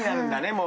もう。